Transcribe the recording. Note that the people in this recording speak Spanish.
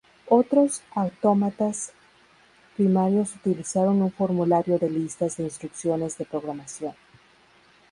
Otros autómatas primarios utilizaron un formulario de listas de instrucciones de programación.